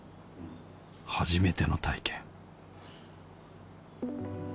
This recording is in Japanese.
初めての体験